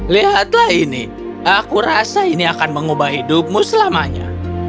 lihatlah ini aku rasa ini akan mengubah hidupmu selamanya